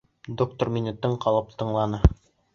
Доктор мине тын ҡалып тыңланы.